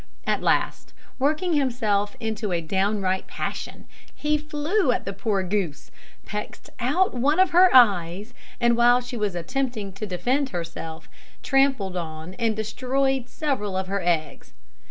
At last, working himself into a downright passion, he flew at the poor goose, pecked out one of her eyes, and while she was attempting to defend herself, trampled on and destroyed several of her eggs.